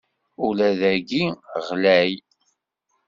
Ula d dayi ɣlay.